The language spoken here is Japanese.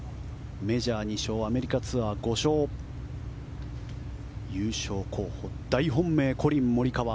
メジャー２勝アメリカツアー５勝優勝候補、大本命コリン・モリカワ。